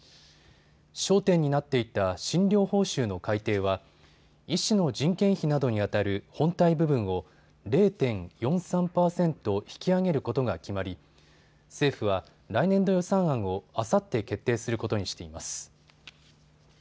焦点になっていた診療報酬の改定は医師の人件費などにあたる本体部分を０．４３％引き上げることが決まり政府は来年度予算案をあさって決定することにしています。